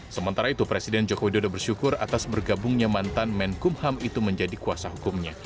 sementara itu presiden joko widodo bersyukur atas bergabungnya mantan menkumham itu menjadi kuasa hukumnya